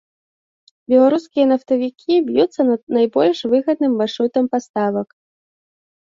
Беларускія нафтавікі б'юцца над найбольш выгодным маршрутам паставак.